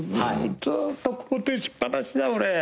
ずっと肯定しっぱなしだ俺。